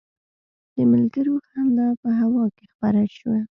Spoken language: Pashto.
د ملګرو خندا په هوا کې خپره شوه.